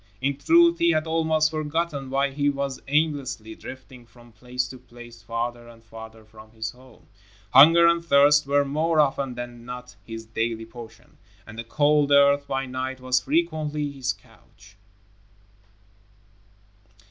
In truth, he had almost forgotten why he was aimlessly drifting from place to place, farther and farther from his home. Hunger and thirst were more often than not his daily portion, and the cold earth by night was frequently his couch.